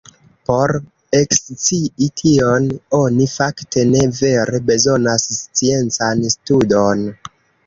Por ekscii tion oni fakte ne vere bezonas sciencan studon.